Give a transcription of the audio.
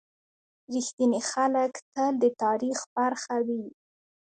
• رښتیني خلک تل د تاریخ برخه وي.